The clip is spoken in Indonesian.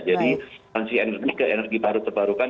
jadi transisi energi ke energi baru terbarukan